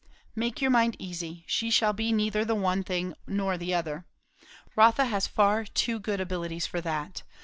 "Make your mind easy. She shall be neither the one thing nor the other. Rotha has far too good abilities for that.